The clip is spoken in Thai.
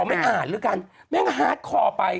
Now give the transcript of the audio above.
ไม่อ่านแล้วกันแม่งฮาร์ดคอไป